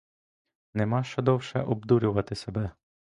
Нема що довше обдурювати себе.